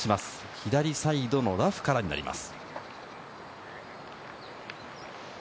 左サイドのラフからになります。